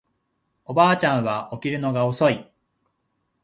おばあちゃんは起きるのが遅い